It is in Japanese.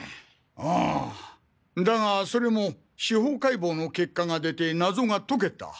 ああだがそれも司法解剖の結果が出て謎が解けた。